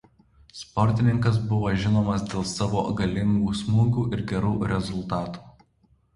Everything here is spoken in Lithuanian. Sportininkas buvo žinomas dėl savo galingų smūgių ir gerų rezultatų.